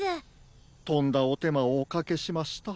とんだおてまをおかけしました。